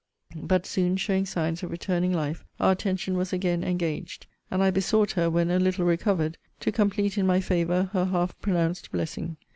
But soon showing signs of returning life, our attention was again engaged; and I besought her, when a little recovered, to complete in my favour her half pronounced blessing.